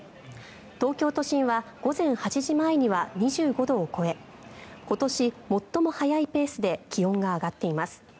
東京都心は午前８時前には２５度を超え今年最も速いペースで気温が上がっています。